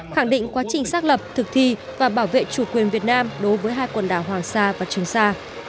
khẳng định quá trình xác lập thực thi và bảo vệ chủ quyền việt nam đối với hai quần đảo hoàng sa và trường sa